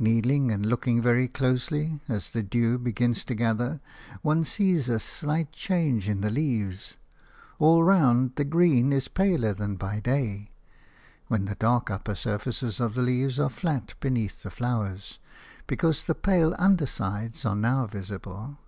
Kneeling and looking very closely, as the dew begins to gather, one sees a slight change in the leaves; all round the green is paler than by day – when the dark upper surfaces of the leaves are flat beneath the flowers – because the pale undersides are now visible.